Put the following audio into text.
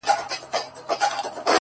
o يارانو راټوليږی چي تعويذ ورڅخه واخلو ـ